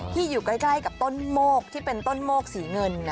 อยู่ใกล้กับต้นโมกที่เป็นต้นโมกสีเงิน